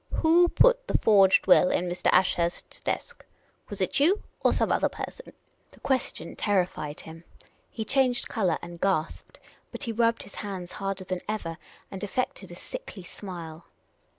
IV/io put the forged will in Mr. Ashurst's desk ? Was it you, or some other person ?" 334 Miss Caylcy's Adventures The question terrified him. He changed colour and gasped. But he rubbed his hands harder than ever and affected a sickly smile.